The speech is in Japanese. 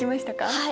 はい！